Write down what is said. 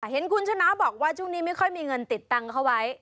เห็นคุณชนะบอกว่าช่วงนี้ไม่ค่อยมีเงินติดตังค์เข้าไว้